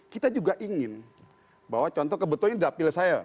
kita juga ingin bahwa contoh kebetulan ini dapil saya